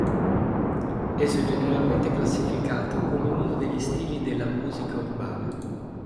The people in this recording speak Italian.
Esso è generalmente classificato come uno degli stili della "musica urbana".